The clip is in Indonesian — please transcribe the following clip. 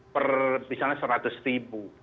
per misalnya seratus ribu